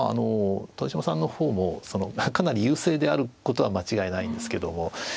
豊島さんの方もかなり優勢であることは間違いないんですけども。